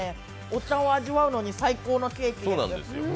お茶を味わうのに最高のケーキです。